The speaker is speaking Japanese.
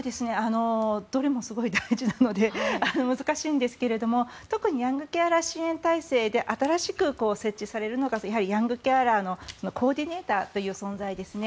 どれもすごい大事なので難しいんですけど特にヤングケアラー支援体制で新しく設置されるのがヤングケアラーのコーディネーターという存在ですね。